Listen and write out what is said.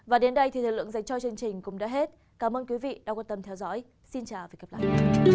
và đến đây thì thời lượng dành cho chương trình cũng đã hết cảm ơn quý vị đã quan tâm theo dõi xin chào và hẹn gặp lại